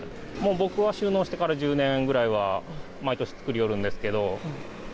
僕は就農してからは１０年ぐらい、毎年作りよるんですけど。